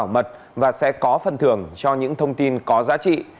mọi thông tin sẽ được bảo mật và sẽ có phần thưởng cho những thông tin có giá trị